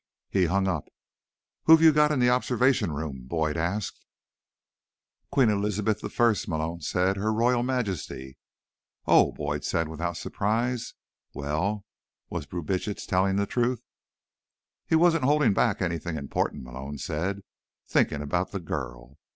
He hung up. "Who've you got in the observation room?" Boyd asked. "Queen Elizabeth I," Malone said. "Her Royal Majesty." "Oh," Boyd said without surprise. "Well, was Brubitsch telling the truth?" "He wasn't holding back anything important," Malone said, thinking about the girl.